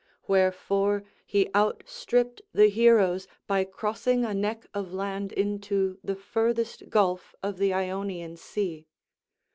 Wherefore he outstripped the heroes by crossing a neck of land into the furthest gulf of the Ionian sea.